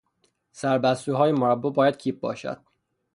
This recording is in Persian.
سر بستوهای مربا باید کیپ باشد.